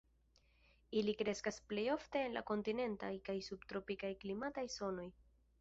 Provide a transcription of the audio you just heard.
Ili kreskas plej ofte en la kontinenta kaj subtropika klimataj zonoj.